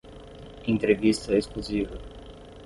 Entrevista exclusiva